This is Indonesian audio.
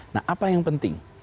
nah apa yang penting